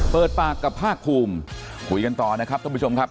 เปิดปากกับภาคภูมิคุยกันต่อนะครับท่านผู้ชมครับ